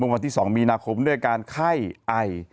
วันที่๒มีนาคมด้วยอาการไข้ไอ